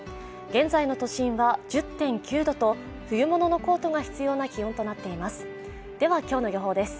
現在の都心は１０．９度と冬物のコートが必要な気温となっていますではきょうの予報です